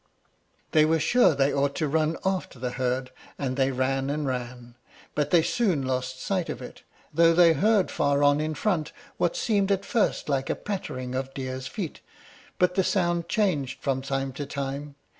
They were sure they ought to run after the herd, and they ran and ran, but they soon lost sight of it, though they heard far on in front what seemed at first like a pattering of deer's feet, but the sound changed from time to time.